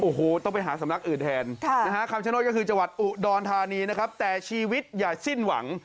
โอ้โหต้องไปหาสำนักอื่นแทน